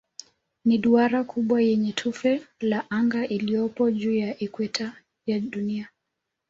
Ni duara kubwa kwenye tufe la anga iliyopo juu ya ikweta ya Dunia.